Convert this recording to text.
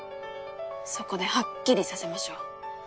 そこではっきりさせましょう。